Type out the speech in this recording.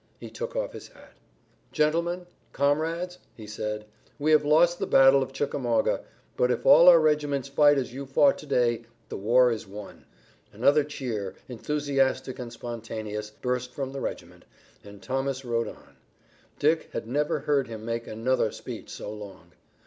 He took off his hat. "Gentlemen, comrades," he said, "we have lost the battle of Chickamauga, but if all our regiments fight as you fought to day the war is won." Another cheer, enthusiastic and spontaneous, burst from the regiment, and Thomas rode on. Dick had never heard him make another speech so long.